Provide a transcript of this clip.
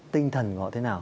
tinh thần của họ thế nào